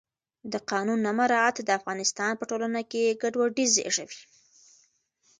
د قانون نه مراعت د افغانستان په ټولنه کې ګډوډي زیږوي